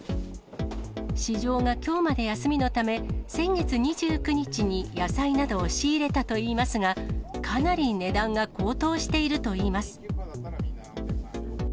市場がきょうまで休みのため、先月２９日に野菜などを仕入れたといいますが、かなり値段が高騰しているといいます。